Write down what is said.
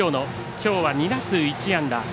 きょうは２打数１安打。